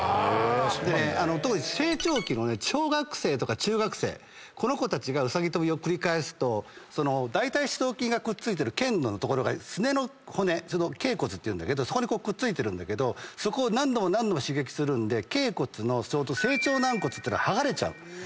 でね当時成長期の小学生とか中学生がうさぎ跳びを繰り返すと大腿四頭筋がくっついてる腱の所がすねの骨脛骨っていうんだけどそこにくっついてるんだけどそこを何度も刺激するんで脛骨の成長軟骨が剥がれちゃう。